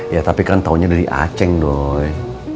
ya tapi kan taunya dari aceh dong